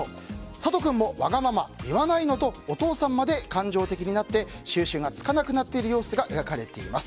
サトくんもわがまま言わないの！とお父さんまで感情的になって収拾がつかなくなっている様子が描かれています。